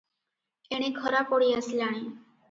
ଏଣେ ଖରା ପଡ଼ି ଆସିଲାଣି ।